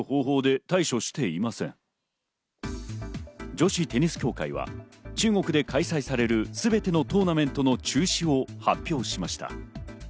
女子テニス協会は中国で開催されるすべてのトーナメントの中止を発表しました。